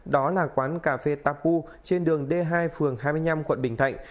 đó là quán cà phê tapu trên đường d hai phường hai mươi năm quận bình thạnh